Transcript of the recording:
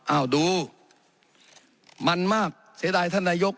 อ้าวดูมันมากเสียดายท่านนายก